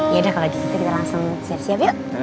ya udah kalau gitu kita langsung siap siap yuk